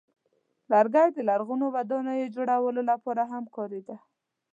لرګی د لرغونو ودانیو جوړولو لپاره هم کارېده.